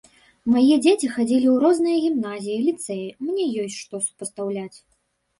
Мае дзеці хадзілі ў розныя гімназіі, ліцэі, мне ёсць што супастаўляць.